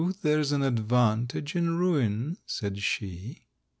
There's an advantage in ruin," said she.